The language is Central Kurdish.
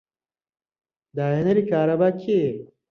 داهێنەری کارەبا کێیە؟